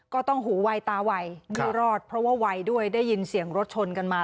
ก็ต้องหูไวตาไวไม่รอดเพราะว่าไวด้วยได้ยินเสียงรถชนกันมา